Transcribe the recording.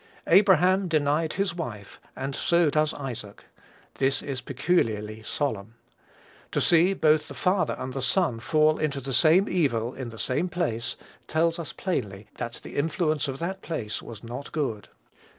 Abraham denied his wife, and so does Isaac. This is peculiarly solemn. To see both the father and the son fall into the same evil, in the same place, tells us plainly that the influence of that place was not good.